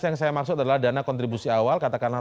yang saya maksud adalah dana kontribusi awal katakanlah